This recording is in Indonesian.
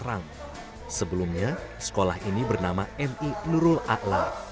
bisa belajar bersama gitu di rumah